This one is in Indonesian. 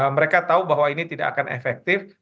mereka tahu bahwa ini tidak akan efektif